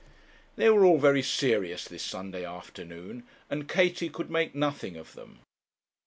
They were all very serious this Sunday afternoon, and Katie could make nothing of them.